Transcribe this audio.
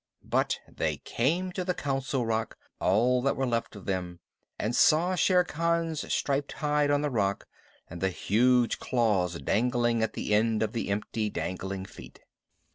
But they came to the Council Rock, all that were left of them, and saw Shere Khan's striped hide on the rock, and the huge claws dangling at the end of the empty dangling feet.